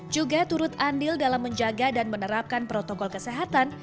juga turut andil dalam menjaga dan menerapkan protokol kesehatan